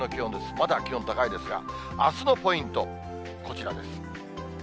まだ気温高いですが、あすのポイント、こちらです。